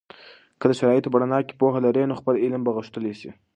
که د شرایطو په رڼا کې پوهه لرئ، نو خپل علم به غښتلی سي.